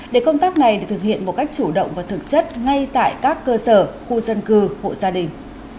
để công tác này được thực hiện một cách chủ động và thực chất ngay tại các cơ sở khu dân cư hộ gia đình